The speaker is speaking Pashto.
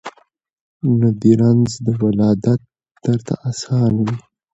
نو دي رنځ د ولادت درته آسان وي